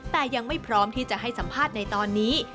แต่ยังไม่พร้อมที่จะให้สัมภาษณ์ในตอนนี้